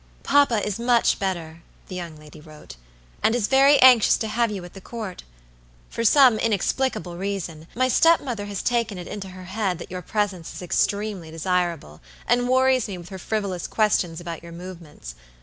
"Papa is much better," the young lady wrote, "and is very anxious to have you at the Court. For some inexplicable reason, my stepmother has taken it into her head that your presence is extremely desirable, and worries me with her frivolous questions about your movements.